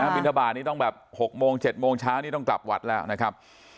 บินทบาทนี้ต้องแบบ๖โมง๗โมงเช้านี่ต้องกลับวัดแล้วนะครับ